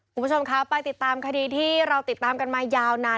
คุณผู้ชมครับไปติดตามคดีที่เราติดตามกันมายาวนาน